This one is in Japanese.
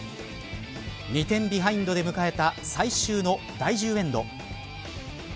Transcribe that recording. ２点ビハインドで迎えた最終の第１０エンド。